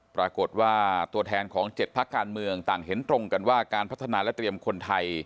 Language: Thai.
ปรากฏว่าตัวแทนของ๗พักการเมืองต่างเห็นตรงกันว่าการพัฒนาและเตรียมคนไทย